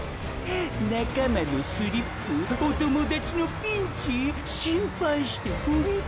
仲間のスリップお友達のピンチ？心配してふり返る？